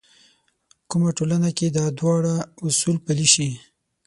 کومه ټولنه کې دا دواړه اصول پلي شي.